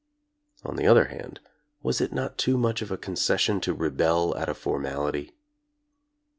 On the other hand, was it not too much of a concession to rebel at a formality'?